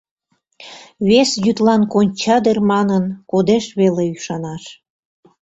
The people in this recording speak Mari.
Вес йÿдлан конча дыр манын, кодеш веле ÿшанаш.